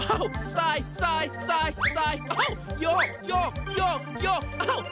อ้าวสายสายสายสายอ้าวโยกโยกโยกโยกอ้าว